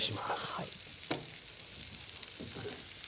はい。